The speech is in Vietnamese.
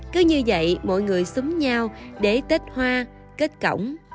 cứ như vậy mọi người xúm nhau để tết hoa kết cổng